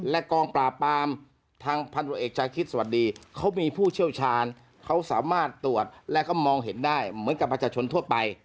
และกองปราบปามทางพันธุรกิจเอกชาคิดสวัสดีเขามีผู้เชี่ยวชาญเขาสามารถตรวจและเขามองเห็นได้เหมือนกับประชาชนทั่วไป